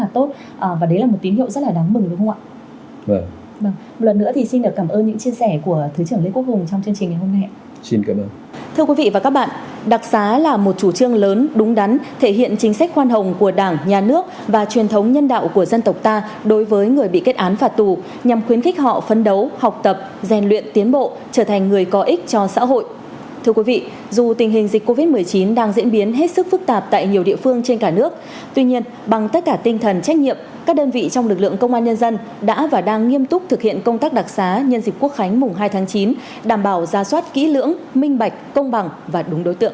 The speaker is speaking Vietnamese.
thưa quý vị dù tình hình dịch covid một mươi chín đang diễn biến hết sức phức tạp tại nhiều địa phương trên cả nước tuy nhiên bằng tất cả tinh thần trách nhiệm các đơn vị trong lực lượng công an nhân dân đã và đang nghiêm túc thực hiện công tác đặc giá nhân dịch quốc khánh mùng hai tháng chín đảm bảo ra soát kỹ lưỡng minh bạch công bằng và đúng đối tượng